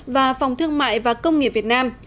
và phòng thương mại và công nghiệp việt nam